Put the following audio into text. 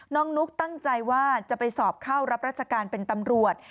นุ๊กตั้งใจว่าจะไปสอบเข้ารับราชการเป็นตำรวจ